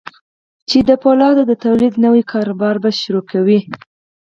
چې د پولادو د توليد نوي کاروبار به پيلوي.